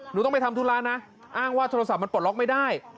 หนูต้องไปทำธุระนะอ้างว่าโทรศัพท์มันปลดล็อกไม่ได้